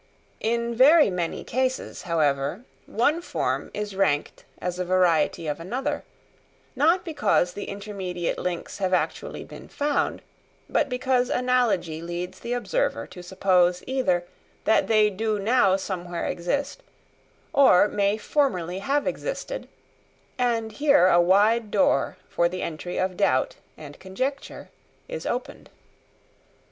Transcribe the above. In very many cases, however, one form is ranked as a variety of another, not because the intermediate links have actually been found, but because analogy leads the observer to suppose either that they do now somewhere exist, or may formerly have existed; and here a wide door for the entry of doubt and conjecture is opened.